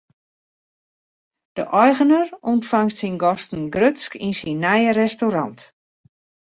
De eigener ûntfangt syn gasten grutsk yn syn nije restaurant.